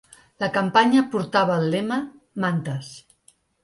La campanya portava el lema Mantes.